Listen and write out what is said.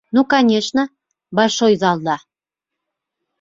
Ну, конечно, большой залда.